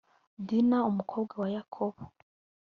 dina umukobwa wa yakobo